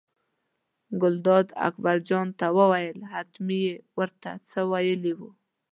ګلداد اکبرجان ته وویل حتمي یې ور ته څه ویلي وو.